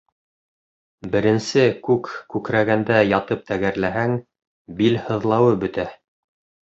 Беренсе күк күкрәгәндә ятып тәгәрләһәң, бил һыҙлауы бөтә.